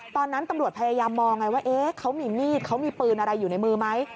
ตอนนั้นตำรวจพยายามมองไงว่าเขามีมีดเขามีปืนอะไรอยู่ในมือไหม